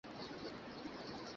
নায়না, এমন করো না।